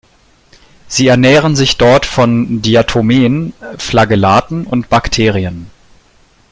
Sie ernähren sich dort von Diatomeen, Flagellaten und Bakterien.